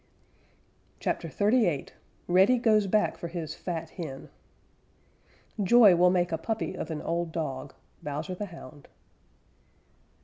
CHAPTER XXXVIII REDDY GOES BACK FOR HIS FAT HEN Joy will make a puppy of an old dog. _Bowser the Hound.